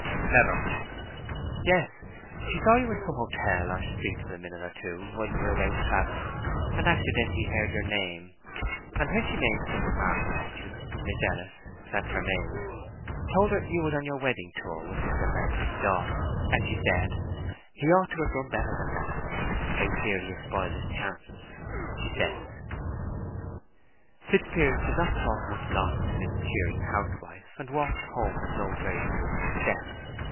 "Never." "Yes; she saw you in some hotel or street for a minute or two while you were away travelling, and accidentally heard your name; and when she made some remark about you, Miss Ellis—that's her maid—told her you was on your wedding tower with Mr. Melbury's daughter; and she said, 'He ought to have done better than that. I fear he has spoiled his chances,' she says." Fitzpiers did not talk much longer to this cheering housewife, and walked home with no very brisk step.